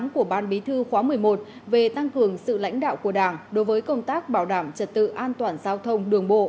của ban bí thư khóa một mươi một về tăng cường sự lãnh đạo của đảng đối với công tác bảo đảm trật tự an toàn giao thông đường bộ